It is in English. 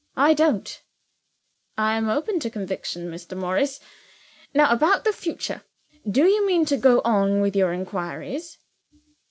I don't." "I am open to conviction, Mr. Morris. Now about the future. Do you mean to go on with your inquiries?"